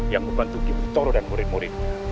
yang membantu gimitor dan murid murid